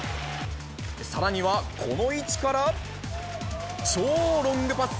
さらには、この位置から、超ロングパス。